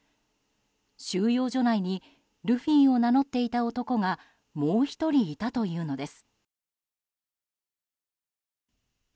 収容所内にルフィを名乗っていた男がもう１人いたというのです。